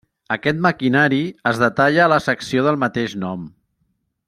Aquest maquinari es detalla a la secció del mateix nom.